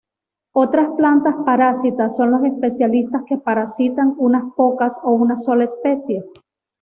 Otras plantas parásitas son los especialistas que parasitan unas pocas o una sola especie.